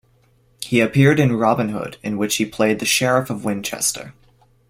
He appeared in "Robin Hood" in which he played the Sheriff of Winchester.